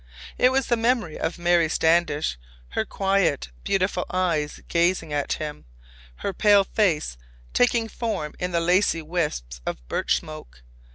It was the memory of Mary Standish, her quiet, beautiful eyes gazing at him, her pale face taking form in the lacy wisps of birch smoke.